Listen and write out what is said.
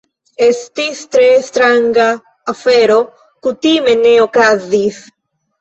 Estis tre stranga afero... kutime ne okazis.